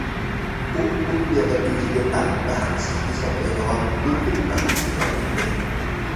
ئۇ بۇ دۇنيادا ئۆزىنى ئەڭ بەختسىز ھېسابلايدىغان نۇرغۇن بەختسىزلەرنىڭ بىرى.